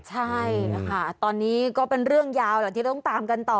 ใช่ตอนนี้ก็เป็นเรื่องยาวที่เราต้องตามกันต่อ